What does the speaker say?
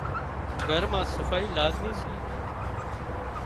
گھر مان صفائي لازمي سي